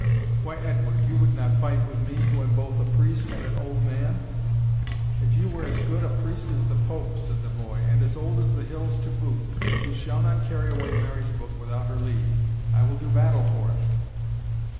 "Why, Edward, you would not fight with me, who am both a priest and old man?" "If you were as good a priest as the Pope," said the boy, "and as old as the hills to boot, you shall not carry away Mary's book without her leave. I will do battle for it."